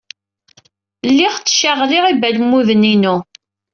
Lliɣ ttcaɣliɣ ibalmuden-inu.